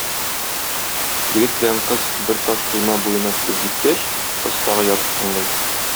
Егет белән кыз бер таш койма буена килеп җиткәч, кыз тагы ятып тыңлый.